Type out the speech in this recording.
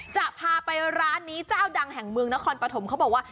จะพาไปร้านนี้เจ้าดังแห่งเมืองนครปฐมเขาบอกว่า